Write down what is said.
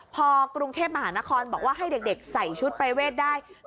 พอกรุงเทพมหานครบอกว่าให้เด็กใส่ชุดประเวทได้